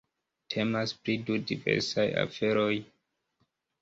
Temas pri du diversaj aferoj.